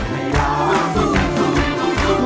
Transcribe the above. ในวันที่๓มูลค่า๔๐๐๐๐บาท